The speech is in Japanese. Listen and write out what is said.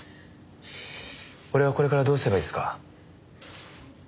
俺はこれからどうすればいいですか？